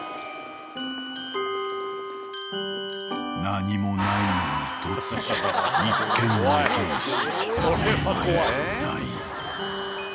［何もないのに突如一点を凝視］